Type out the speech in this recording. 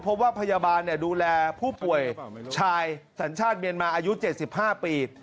พบว่าพยาบาลดูแลผู้ป่วยชายสัญชาติเมียนมาอายุ๗๕ปี